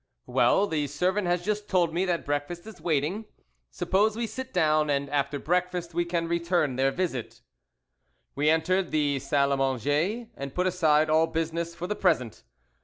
"Well, your servant has just told me that breakfast is waiting. Suppose we sit down, and after breakfast we can return their visit." We entered the salle à manger, and put aside all business for the present.